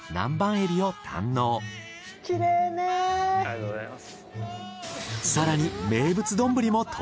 ありがとうございます。